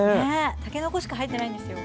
たけのこしか入ってないんですよ。